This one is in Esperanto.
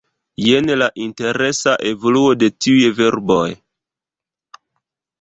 Jen la interesa evoluo de tiuj verboj: